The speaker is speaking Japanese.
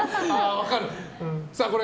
分かる。